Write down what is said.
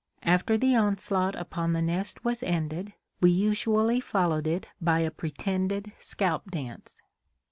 After the onslaught upon the nest was ended, we usually followed it by a pretended scalp dance.